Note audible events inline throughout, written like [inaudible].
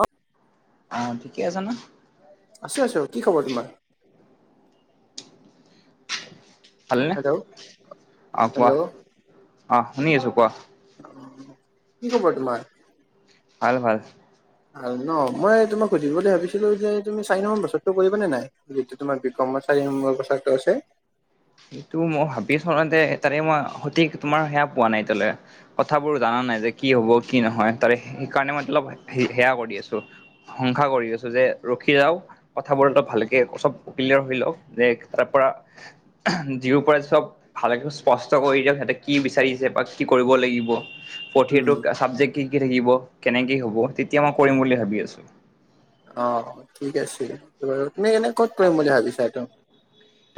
অ অৱ ঠিকেই আছ ন? আছো আছো। কি ৱৰ তোমাৰ? ভালনে? হেল্ল' অ' কোৱা, হেল্ল' অ' শুনি আছোঁ কোৱা। কি খবৰ তোমাৰ? ভাল ভাল। আৰু ন' মই তোমাক সুধিব বুলি ভাবিছিলোঁ যে তুমি চাৰি নম্বৰ বছৰটো কৰিবা নে নাই? যিহেতু তোমাৰ বিকমত চাৰি নম্বৰ কথাটো আছে। এইটো মই ভাবি চাওঁ যে তাৰে মই সঠিক তোমাৰ সেয়া পোৱা নাই এতিয়ালৈকে। কথাবোৰ জানা নাই যে কি হ'ব, কি নহয় তাৰে সেইকাৰণে মই অলপ সেয়া কৰি আছোঁ। সংসা কৰি আছোঁ যে ৰখি যাওঁ। কথাবোৰ এলপ ভালকে চব ক্লিয়াৰ হৈ লওঁক যে তাৰপৰা জিঅ'ৰপৰা চব ভালকৈ স্পষ্ট কৰি দিয়ক, সিহঁতে কি বিচাৰিছে বা কি কৰিব লাগিব। উম পতিটো চাবজেক্ট কি কি থাকিব, কেনেকে হ'ব তেতিয়া মই কৰিম বুলি ভাবি আছোঁ। অ' ঠিক আছে বাৰু। তুমি এনে ক'ত কৰিম বুলি ভাবিছা এইটো?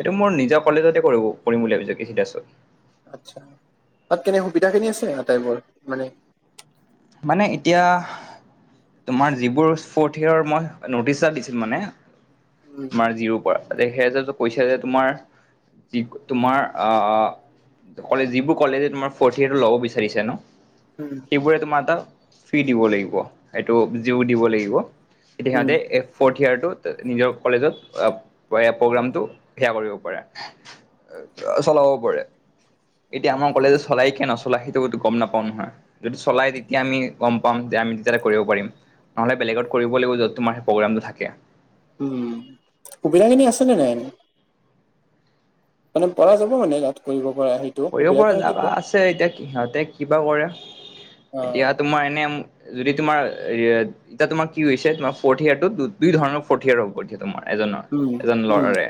এইটো মোৰ নিজৰ কলেজতে কৰিব কৰিম বুলি ভাবিছোঁ। আচ্ছা, তাত কেনে সুবিধাখিনি আছে আটাইবোৰ মানে মানে এতিয়া তোমাৰ যিবোৰ ফৰ্থ য়াৰ মই নটিচ এটা দিছোঁ মানে উম। জিঅ'ৰপৰা, সেয়া যে কৈছে যে তোমাৰ যি তোমাৰ আ কলে যিবোৰ কলেজে তোমাৰ ফৰ্থ ইয়েৰটো ল'ব বিচাৰিছে ন' উম। ৱে তোমাৰ তাত ফ্ৰি দিব লাগিব, সেইটো জিঅ' দিব লাগিব কিন্তু উম সিহঁতে ফৰ্থ ইয়েৰটো নিজৰ কলেজত এ-প্ৰব্লেমটো সেয়া কৰিব পাৰে। চলাব পাৰে। এতিয়া আমাৰ কলেজে চলায় কে নচলায় সেইটো গম নাপাওঁ নহয়, যদি চলায় তেতিয়া আমি গম পাম যে আমি তেতিয়া কৰিব পাৰিম, নহ'লে বেলেগত কৰিব লাগিব য'ত তোমাৰ সেই প্ৰগ্ৰামটো থাকে। উম, সুবিধাখিনি আছেনে নাই? মানে পৰা যাব মানে ইয়াত কৰিব পৰা সেই কৰিব পৰা যাবা আছে, এতিয়া সিহঁতে কিবা কৰে, অ এতিয়া তোমাৰ এনে যদি তোমাৰ ৰে এতিয়া তোমাৰ কি হৈছে তোমাৰ ফৰ্থ য়াৰটোত দুই ধৰণৰ ফৰ্থ য়াৰ হ'ব [unintelligible] তোমাৰ এজনৰ, উম এজন উম ল'ৰাৰে।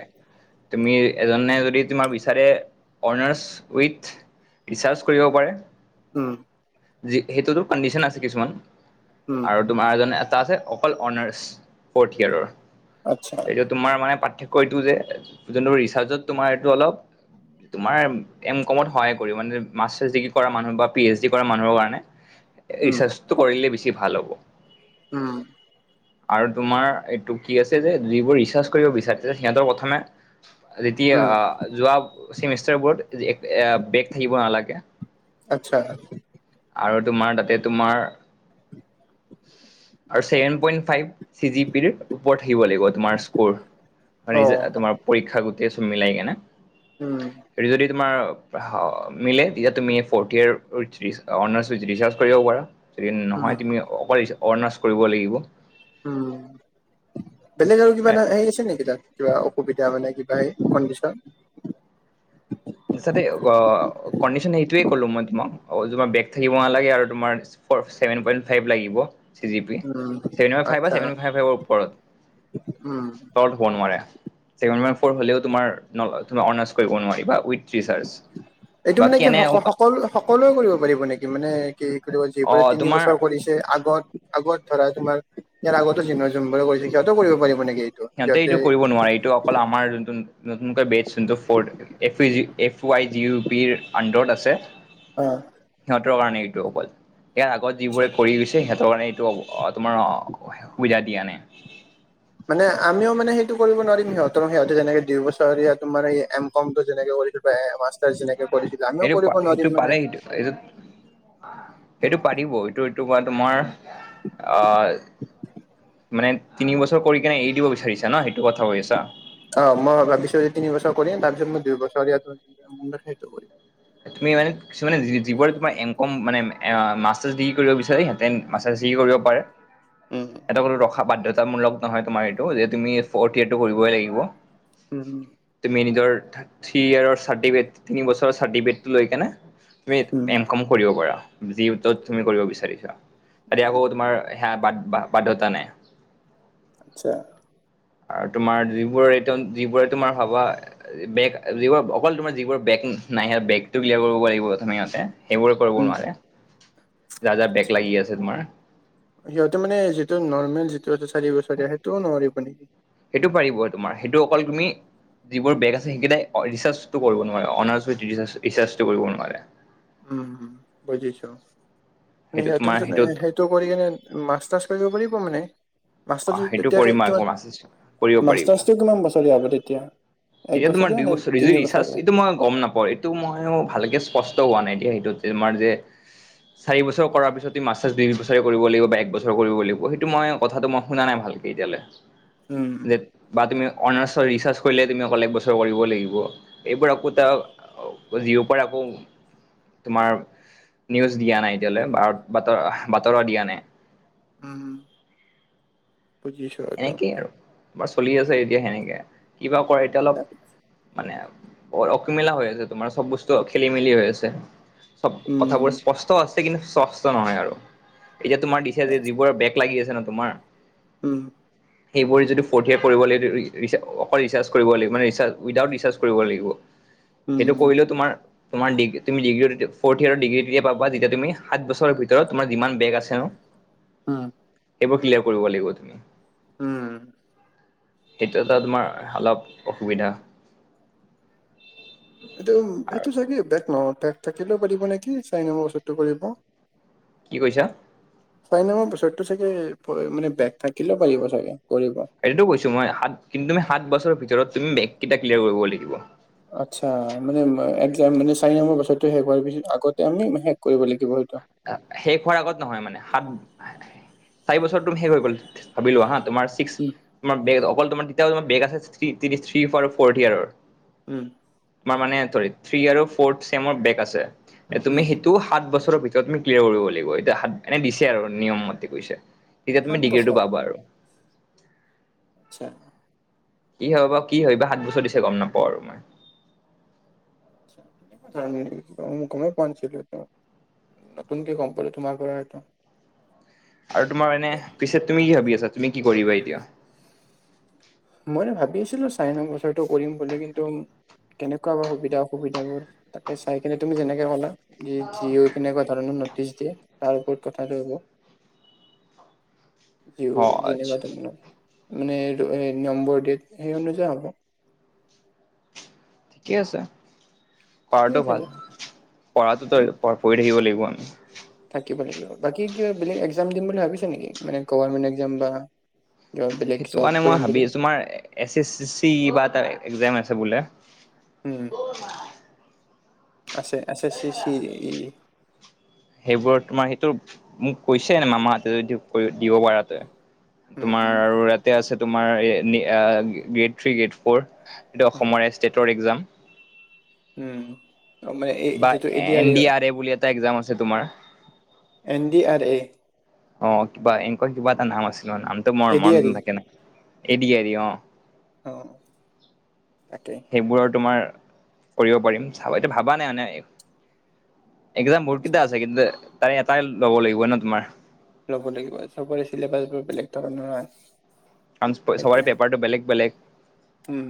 তুমি এজনে যদি তোমাৰ বিচাৰে অনাৰ্চ উইথ ৰিচাৰ্জ কৰিব পাৰে। উম। যি সেইটোতো কণ্ডিচন আছে কিছুমান উম আৰু তোমাৰ এজ, এটা আছে অকল অনাৰ্চ ফৰ্থ য়েৰৰ, আচ্ছা সেইটো তোমাৰ মানে পাৰ ক এইটো যে যোনটো ৰিচাৰ্জত তোমাৰ এইটো অলপ তোমাৰ এম কমত সহায় কৰিব, মানে মাষ্টাৰছ ডিগ্ৰী কৰা মানুহ বা পি এইচ ডি কৰা মানুহৰ কাৰণে উম ৰিচাৰ্চ টো কৰিলে বেছি ভাল হ'ব। উম। আৰু তোমাৰ এইটো কি আছে যে যিবোৰ ৰিচাৰ্চ কৰিব বিচাৰিছে সিহঁতৰ প্ৰথমে যেতিয়া আ, উম, যোৱা চেমিষ্টাৰ বৰ্ড এ, এ, বেগ থাকিব নালাগে। আচ্ছা আৰু তোমাৰ তাতে তোমাৰ আৰু seven point five C G পিৰ ওপৰত থাকিব লাগিব তোমাৰ স্ক'ৰ। অ', [unintelligible] তোমাৰ পৰীক্ষা গোটেই চব মিলাই কেনে উম, আৰু যদি তমাৰ অ মিলে ইয়াত তুমি fourth year [unintelligible] honours with research কৰিব পাৰা। য উম, নহয় তুমি অকল অৰ্ণাৰ্চ কৰিব লাগিব। উম বেলেগ আৰু কিবা এটা হেৰি আছে নেকি তাত? কিবা অসুবিধা মানে কিবা এই কণ্ডিচন? ইছাতে গ কণ্ডিচন সেইটোৱে ক'লো মই তোমাক, তোমাৰ বেগ থাকিব নালাগে আৰু তোমাৰ ফৰ ছেভেন পইণ্ট ফাইভ লাগিব। চি জি পি, উম, ছেভেন পইণ্ট ফাইভ বা আচ্ছা ছেভেন পইণ্ট ফাইভ ফাইভৰ ওপৰত। উম। তলত হব নোৱাৰে, ছেভেন পইণ্ট ফৌৰ হলেও তোমাৰ নলয়, তোমাৰ অনাৰ্ছ কৰিব নোৱাৰিবা উই ৰিছাৰ্চ এইটো মানে কি বাকি এনে সক সকলো সকলোৱে কৰিব পাৰিব নেকি? মানে কি কৰিব অ যিবোৰে তিনি তোমাৰ বছৰ কৰিছে আগত। আগত ধৰা তোমাৰ ইয়াৰ আগতে চিনিয়ৰ যোনবোৰ কৰিছে সিহঁতও কৰিব পাৰিব নেকি? সিহঁতে এইটো কৰিব নোৱাৰে এইটো অকল আমাৰ যোনটো নতুনকৈ বে যোনটো ফৰ্ড। F U G F Y G U পিৰ উণ্ডাৰত আছে অঁ। সিহঁতৰ কাৰণে এইটো অকল, ইয়াৰ আগত আচ্ছা যিবোৰে কৰি গৈছে সিহঁতৰ কাৰণে এইটো হ'ব অঁ', তোমাৰ অঁ সুবিধা দিয়া নাই। মানে আমিও মানে সেইটো কৰিব নোৱাৰিম সিহঁতৰ সিহঁতে যেনেক দুই বছৰ ইয়াৰ এই তোমাৰ এম কমটো যেনেকে কৰি প্ৰায় মাষ্টাৰ যেনেকে কৰিছিলে আমিও সেইটো কৰিব সেইটো নোৱাৰিম পাৰে মানে। সেইটো এইটো এইটো পাৰিব এইটো -এইটো বা তোমাৰ অ', মানে তিনি বছৰ কৰি কিনে এৰি দিব বিচাৰিছা ন' সেইটো কথা কৈ আছা? অ', মই ভাবিছো যে তিনি বছৰ কৰিম তাৰপিছত মই দুই বছৰ [inaudible] সেইটো কৰিম। তুমি মানে কিছুমানে যিবোৰ তোমাৰ এমকম মানে মাষ্টাৰছ ডিগ্ৰী কৰিব বিচাৰে সিহঁতে মাষ্টাৰ ডিগ্ৰী কৰিব পাৰে। উম এইটো কোনো ৰখা বাধ্যতামূলক নহয় তোমাৰ এইটো যে তুমি ফৰ্ট ইয়েৰটো কৰিবই লাগিব। উম। তুমি নিজৰ থ্ৰী ইয়েৰৰ চাৰ্টিফিকেটটো লৈ কেনে তুমি উম এম কম কৰিব পাৰা যি তত তুমি কৰিব বিচাৰিছা। ইয়াতে একো তোমাৰ সেয়া বাদ বাধ্যয়তা নাই। আচ্ছা। আৰু তোমাৰ যিবোৰ এইটোন -যিবোৰে তোমাৰ ভবা বেগ যিবোৰ অকল তোমাৰ যিবোৰ বেগ নাই সেইয়া বেগটো ক্লিয়াৰ কৰিব গৈ লাগিব প্ৰথমে সিহঁতে। সেইবোৰে কৰিব উম নোৱাৰে, যাৰ, যাৰ, বেগ আচ্ছা। লাগি আছে তোমাৰ। সিহঁতে মানে যিটো নৰ্মেল যিটো চাৰি বছৰীয়া সেইটোও নোৱাৰিব নেকি? সেইটো পাৰিব তোমাৰ সেইটো অকল তুমি যিবোৰ বেগ আছে সেইকেইটাই ৰিছাৰ্চটো কৰিব নোৱাৰে অনাৰ্ছ উইথ ৰিছাৰ্চটো কৰিব নোৱাৰে। উমম বুজিছো, মানে সেইটো সিহঁতৰ তোমাৰ পিছত সেইটোত সেই সেইটো কৰি কিনে মাষ্টাৰছ কৰিব পাৰিব মানে? [unintelligible] সেইটো কৰিম আকৌ মাষ্টাৰছটো মাচিছ কিমান কৰিব পাৰিব। বছৰীয়া হ'ব তেতিয়া? এক তেতিয়া তোমাৰ বছৰীয়া দুই নে বছৰ - তিনি ৰিছাৰ্চ বছৰীয়া? এইটো মই গম নাপাও ৰে। টো মইও ভালকে স্পষ্ট হোৱা নাই এতিয়া সেইটোত যে তোমাৰ যে চাৰি বছৰ কৰাৰ পিছত মাষ্টাৰ্ছ ডিগ্ৰী -দুই বছৰে কৰিব লাগিব বা এক বছৰ কৰিব লাগিব সেইটো মইওঁ কথাটো মই শুনা নাই ভালকে এতিয়ালে, উম যে বা তুমি অনাৰ্চৰ ৰিছাৰ্চ কৰিলে তুমি অকল এক বছৰ কৰিব লাগিব এইবোৰ আকৌ তা জিও পৰ আকৌ তোমাৰ নিউজ দিয়া নাই এতিয়ালে বা বাতৰা বাতৰা দিয়া নাই। উম উম বুজিছো। এইটো। এনেকেই আৰু বা চলি আছে এতিয়া সেনেকে কিবা কৰে এতিয়া অলপ মানে বৰ অকমিলা হৈ আছে তোমাৰ চব বস্তু খেলি মেলি হৈ আছে। সব কথাবোৰ উম স্পষ্ট চ আছে কিন্তু স্বস্থ নহয় আৰু এতিয়া তোমাৰ দিছে যে যিবোৰৰ ব্ৰেক লাগি আছে ন তোমাৰ উম সেইবোৰ যদি ফ'থ ইয়াৰ কৰিব লাগে -ৰি অকল ৰিচাৰ্জ কৰিব লাগিব মানে ৰিচাৰ্জ উইডাউট ৰিচাৰ্জ কৰিব লাগিব। উম সেইটো কৰিলেও তোমাৰ তোমাৰ ডিগ্ৰী তুমি ডিগ্ৰী ফৰ্থ ইয়াৰ ডিগ্ৰী তেতিয়া পাবা যেতিয়া তুমি সাতঁ বছৰ ভিতৰত তোমাৰ যিমান ব্ৰেক আছে [unintelligible] উম এইবোৰ ক্লিয়াৰ কৰিব লাগিব তুমি। উম সেইটো এটা তোমাৰ অলপ অসুবিধা। এইটো আৰু এইটো চাগে ব্ৰেক নহয় ব্ৰেক থাকিলেও পাৰিব নেকি চাৰি নম্বৰ বছৰটো কৰিব। কি কৈছা চাৰি নম্বৰ পিছৰটো চাগে মানে ব্ৰেক থাকিলো পাৰিব চাগে কৰিব। সেইটোতো কৈছো মই সাত' কিন্তু তুমি সাত বছৰৰ ভিতৰত তুমি ব্ৰেক কেইটা ক্লিয়াৰ কৰিব লাগিব। আচ্ছা মানে একজাম মানে চাৰি নম্বৰ বছৰতো শেষ হোৱাৰ পিছত আগতে আমি শেষ কৰিব লাগিব সেইটো। শেষ হোৱাৰ আগত নহয় মানে সাত চাৰি বছৰটো শেষ হৈ গল ভাবি লোৱা হাঁ তোমাৰ উম ছিক্স ব্ৰেক অকল‌ তোমাৰ তেতিয়া ব্ৰেক আছে থিৰী আৰু ফ'থ ইয়াৰৰ উম তোমাৰ মানে ৰ্থি আৰু ফৰ্থ চেমৰ ব্ৰেক আছে উম তুমি সেইটো সাত বছৰৰ ভিতৰত তুমি ক্লিয়াৰ কৰিব লাগিব এতিয়া সাত এনে দিছে আৰু নিয়ম মতে কৈছে তেতিয়া সাত তুমি ডিগ্ৰীটো বছৰ পাবা আৰু। আচ্ছা। কি হব কি হয়বা সাত বছৰ দিছে গম নাপাওঁ আৰু মই হয় নেকি মই গমে পোৱা নাছিলো নতুনকে গম পালো তোমাৰ পৰা আৰু তোমাৰ এনে পিছে তুমি কি ভাবি আছা তুমি কি কৰিবা এতিয়া মই ভাবি আছিলো চাৰে ন বছৰটো কৰিম বুলি কিন্তু কেনেকুৱা বাৰু সুবিধা অসুবিধাবোৰ তাকে চাই কিনে তুমি যেনেকে কলা কি কি হৈ পিনে বা কেনেকুৱা ধৰণৰ নটিছ দিয়ে তাৰ ওপৰত কথাটো হ'ব কি অ যেনে কোৱা ধৰনৰ মানে নম্বৰ [unintelligible] সেই অনুযায়ী হ'ব ঠিকে আছে ঠিকে কৰাটো আছে ভাল দে পঢ়াটোতো পঢ়ি থাকিব লাগিব আমি থাকিব লাগিব বাকী কিবা বেলেগ একজাম দিম বুলি ভাবিছা নেকি মানে গভামেণ্ট একজাম বা কিবা বেলেগ সেইটো জব কাৰণে মই কৰিম বুলি ভাবিছোঁ তোমাৰ এছ এছ চি কিবা এটা একজাম আছে বোলে উম আছে আছে চি চি ই সেইবোৰৰ তোমাৰ সেইটো মোক কৈছে মামাহঁতে যদি দিব পাৰা তই তোমাৰ উম আৰু ইয়াতে আছে তোমাৰ এ আ গ্ৰেদ থ্ৰী গ্ৰেদ ফৰ এইটো উম অসমৰ ষ্টেটৰ একজাম উম অ, মানে এই বা যিটো এ এন ই ডি হয় আৰ এ বুলি এটা একজাম আছে তোমাৰ এন ডি আৰ এ অ কিবা এনেকুৱা কিবা এটা নাম আছিল নামটো মোৰ এ ডি আৰ মনত ই নাথাকে ন এ দি আৰ ই অ অ তাকেই, সেইবোৰ আৰু তোমাৰ কৰিব পাৰিম চাবা এইটো ভাবা নাই মানে, এক্সজাম বহুত আচ্ছা কেইটা আছে কিন্তু তাৰে এটাই ল'ব লাগিব ন তোমাৰ। ল'ব লাগিব চবৰে চিলেবাছবোৰ বেলেগ ধৰণৰ। [unintelligible] চবৰে সেইটোৱে পেপাৰটো বেলেগ বেলেগ। উম,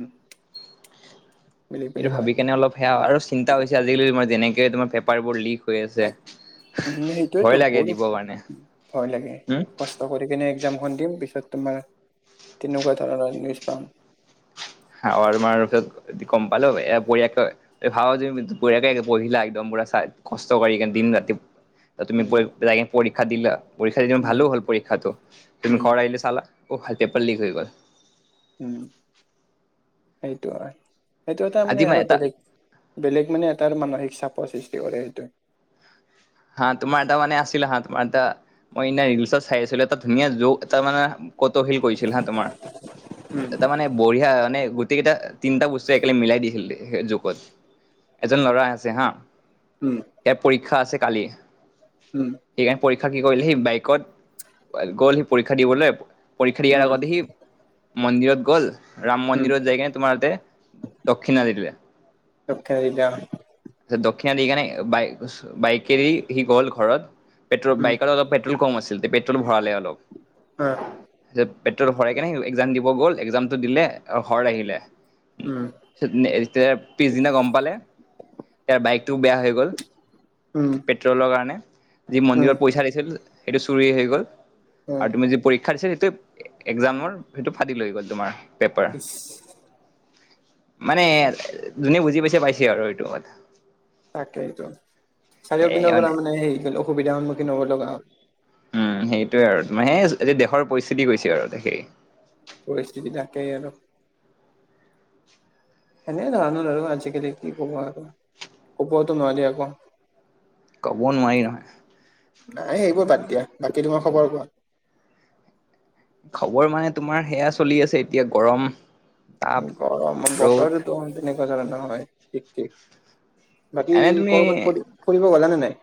বেলেগ এইটো বেলেগ হয় ভাবি কেনে অলপ। সেয়া আৰু চিন্তা হৈছে আজিকালি তোমাৰ যেনেকে তোমাৰ পেপাৰবোৰ লীক, হৈ আছে উম সেইটোয়েতো ভয় লাগে বহুত দিব কাৰণে ভয় লাগে উম, কষ্ট কৰি কিনে এক্সজামখন দিম পিছত তোমাৰ তেনেকুৱা ধৰণৰ নিউজ পাম। [unintelligible] তোমাৰ গম পালোঁ এ, [unintelligible] ভাবা যে বঢ়িয়াকে পঢ়িলা একদম পুৰা চাই, কষ্ট কৰি কে দিন ৰাতি তুমি উম যাই কিনি পৰীক্ষা দিলা উম ভালো হ'ল পৰীক্ষাটো তুমি উম ঘৰ আহিলে চালা, অ [unintelligible] পালী হৈ গ'ল। উম সেইটো হয় সেইটো এটা মানে আজি মই আৰু এটা বেলেগ। বেলেগ মানে এটাৰ মানসিক চাপৰ সৃষ্টি কৰে সেইটোৱে। হা তোমাৰ এটা মানে আছিল হা তোমাৰ এটা মই এনে ৰিলচত চাই আছিলো এটা ধুনীয়া যোগ এটা মানে। ক'ত হিল কৰিছিল হা তোমাৰ উম এটা মানে বঢ়িয়া মানে গোটেই কেইটা, তিনিটা বস্তুৱে একেলগে মিলাই দিছিল জোকত এজন ল'ৰা আছে হা। উম ইয়াৰ পৰীক্ষা আছে কালি। উম সেইকাৰণে পৰীক্ষা কি কৰিলে সি বাইকত গ'ল সি পৰীক্ষা দিবলে। পৰীক্ষা দিয়াৰ উম আগতে সি মন্দিৰত গ'ল। ৰাম উম মন্দিৰত যাই কিনে তোমাৰ তাতে দক্ষিণা দিলে। দক্ষিণ আফ্ৰিকা। দক্ষিণা দি কেনে বাই বাইকেদি সি গ'ল ঘৰত। পেট্ৰ'ল উম বাইকত অলপ পেট্ৰ'ল কম আছিল ত পেট্ৰ'ল ভৰালে অলপ। হা, পেট্ৰ'ল ভৰাই কেনে একজাম দিব গ'ল একজামটো দিলে ঘৰ আহিলে। উম [unintelligible] পিছদিনা গম পালে তাৰ বাইকটোও বেয়া হৈ গ'ল। উম, পেট্ৰলৰ কাৰণে, যি উম মন্দিৰত পইচা দিছিল সেইটো চুৰি হৈ গ'ল। উম আৰু তুমি যি পৰীক্ষা দিছা সেইটোৱে একজামৰ সেইটো ফাদিল হৈ গ'ল তোমাৰ। পেপাৰ। ইছ। মানে যোনে বুজি পাইছে পাইছে আৰু এইটো কথা। তাকেই এইটো চাৰিও পিনৰ পৰা মানে হেৰি গ'ল অসুবিধাৰ সন্মুখীন হ'ব লগা হ'ল। উম সেইটোয়ে আৰু তোমাৰ সেই দেশৰ পৰিস্থিতি গৈছে আৰু সেই। পৰিস্থিতি তাকেই আৰু সেনে ধৰণৰ আৰু আজিকালি কি ক'বা আৰু কব‌ও টো নোৱাৰি আকৌ। ক'ব নোৱাৰি নহয়। নাই সেইবোৰ বাদ দিয়া বাকী তোমাৰ খবৰ কোৱা। খবৰ মানে তোমাৰ সেয়া চলি আছে এতিয়া গৰম। তাপ গৰম ৰ'দ বতৰটো [unintelligible] তেনেকুৱা নহয় ঠিক ঠিক। বাকি এনে তুমি কৰবাত ফ ফুৰিব গলা নে নাই।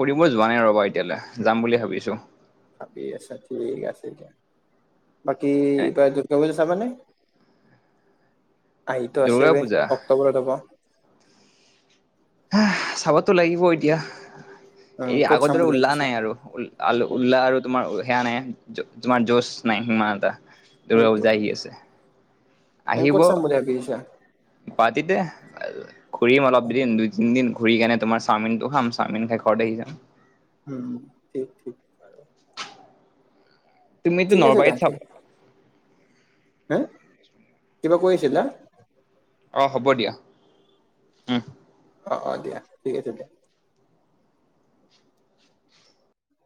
ফুৰিব যোৱা নাই ৰ'বা এতিয়ালৈ যাম বুলি ভাবিছোঁ। ভাবি আছা ঠিক আছে এতিয়া বাকি এ [unintelligible] যাবানে? আহিটো দুৰ্গা আছেই পূজা অক্টোবৰত হ'ব। হা, চাবতো লাগিব এতিয়া, উম এই ক'ত আগৰ চাম দৰে বুলি ওল্লাহ ভাবিছা নাই আৰু। উল- উল্লাহ আৰু তোমাৰ সেয়া নাই, তোমাৰ যচ নাই সিমান এটা। দূৰ্গা সেইটো পূজা আহি আছে। আহিব, ক'ত চাম বুলি ভাবি আহিছা পাতিতে ঘূৰিম অলপ দুদিন দুই তিন দিন। ঘূৰি কিনে তোমাৰ চাওমিনটো খাম চাওমিন খাই ঘৰত আহি যাম। উম', ঠিক, ঠিক। তুমিতো ঠিক আছে দে, নলবাৰীত চাব হা কিবা কৈ আছিলা? অ', হ'ব দিয়া উম'। অ', অ' দিয়া ঠিক আছে দিয়া।